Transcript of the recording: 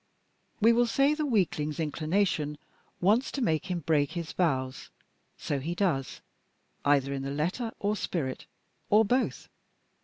We will say the weakling's inclination wants to make him break his vows; so he does, either in the letter or spirit or both!